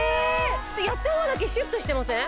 やった方だけシュッとしてません？